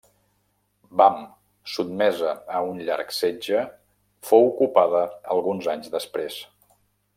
Bam, sotmesa a un llarg setge, fou ocupada alguns anys després.